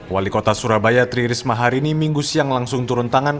wali kota surabaya tri risma hari ini minggu siang langsung turun tangan